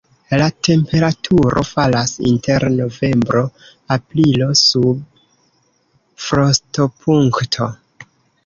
La temperaturo falas inter novembro-aprilo sub frostopunkto.